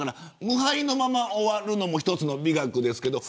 無敗のまま終わるのも一つの美学ですけれど。